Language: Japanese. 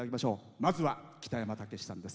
まずは北山たけしさんです。